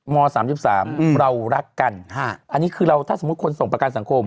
๓๓เรารักกันอันนี้คือเราถ้าสมมุติคนส่งประกันสังคม